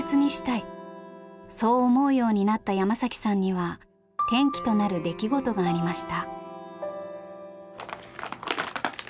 そう思うようになった山さんには転機となる出来事がありました。